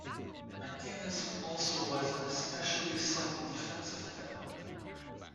McInnis also was an especially solid defensive player.